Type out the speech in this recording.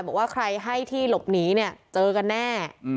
บอกว่าใครให้ที่หลบหนีเนี่ยเจอกันแน่